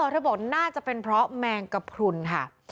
เธอบอกน่าจะเป็นเพราะแมงกระพรุนค่ะ